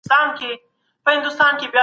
تاسو به د خپل ذهن په روښانتیا کي کار کوئ.